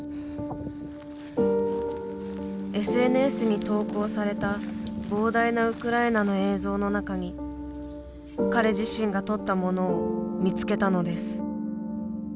ＳＮＳに投稿された膨大なウクライナの映像の中に彼自身が撮ったものを見つけたのです。